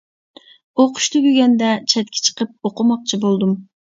ئوقۇش تۈگىگەندە چەتكە چىقىپ ئوقۇماقچى بولدۇم.